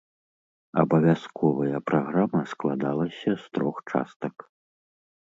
Абавязковая праграма складалася з трох частак.